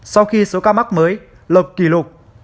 sau khi số ca mắc mới lập kỷ lục